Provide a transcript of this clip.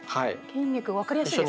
筋肉分かりやすいですね。